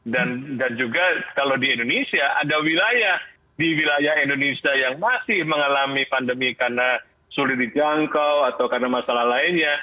juga kalau di indonesia ada wilayah di wilayah indonesia yang masih mengalami pandemi karena sulit dijangkau atau karena masalah lainnya